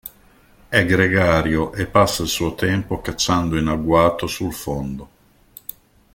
È gregario e passa il suo tempo cacciando in agguato sul fondo.